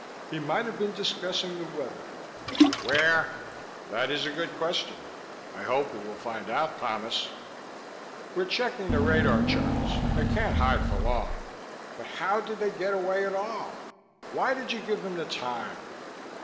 He might have been discussing the weather. "Where? That is a good question. I hope we will find it out, Thomas. We're checking the radar charts; they can't hide for long. But how did they get away at all? Why did you give them the time?"